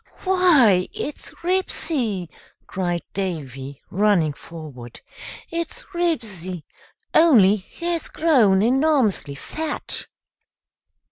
"Why, it's Ribsy!" cried Davy, running forward. "It's Ribsy, only he's grown enormously fat."